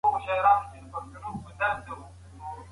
سپین مخ راته ګوري خو تنویر خبري نه کوي